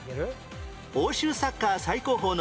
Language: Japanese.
欧州サッカー最高峰の舞台